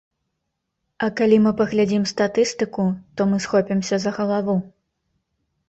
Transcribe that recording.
А калі мы паглядзім статыстыку, то мы схопімся за галаву.